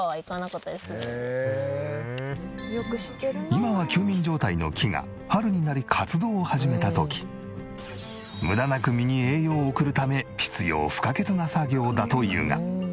今は休眠状態の木が春になり活動を始めた時無駄なく実に栄養を送るため必要不可欠な作業だというが。